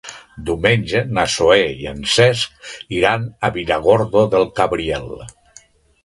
Diumenge na Zoè i en Cesc iran a Villargordo del Cabriel.